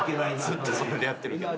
ずっとそれでやってるけど。